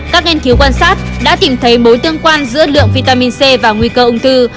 các nghiên cứu quan sát đã tìm thấy mối tương quan giữa lượng vitamin c và nguy cơ ung thư